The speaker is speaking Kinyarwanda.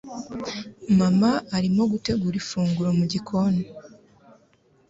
Mama arimo gutegura ifunguro mu gikoni.